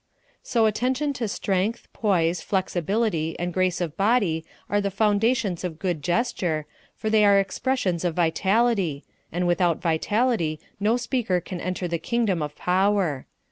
So attention to strength, poise, flexibility, and grace of body are the foundations of good gesture, for they are expressions of vitality, and without vitality no speaker can enter the kingdom of power.